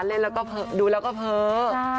เล่นแล้วก็เพิ่มดูแล้วก็เพิ่ม